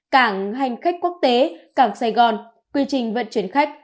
cảng hành khách quốc tế cảng sài gòn quy trình vận chuyển khách